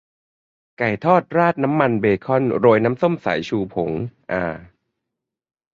ไก่ทอดราดไขมันเบคอนโรยน้ำส้มสายชูผง อา